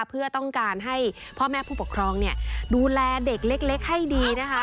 เพื่อต้องการให้พ่อแม่ผู้ปกครองดูแลเด็กเล็กให้ดีนะคะ